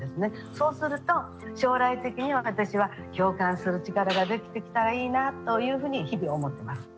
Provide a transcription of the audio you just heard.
そうすると将来的に私は共感する力ができてきたらいいなというふうに日々思ってます。